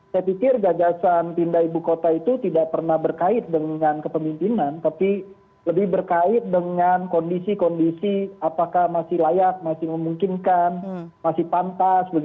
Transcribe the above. saya pikir gagasan pindah ibu kota itu tidak pernah berkait dengan kepemimpinan tapi lebih berkait dengan kondisi kondisi apakah masih layak masih memungkinkan masih pantas